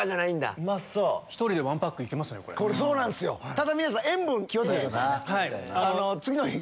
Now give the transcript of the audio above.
ただ塩分気を付けてください。